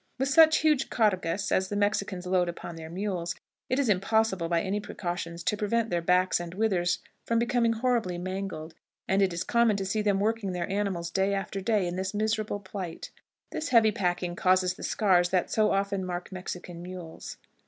With such huge cargas as the Mexicans load upon their mules, it is impossible, by any precautions, to prevent their backs and withers from becoming horribly mangled, and it is common to see them working their animals day after day in this miserable plight. This heavy packing causes the scars that so often mark Mexican mules.